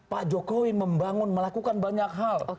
pak jokowi membangun melakukan banyak hal